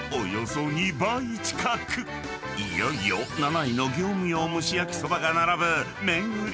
［いよいよ７位の業務用むし焼そばが並ぶ］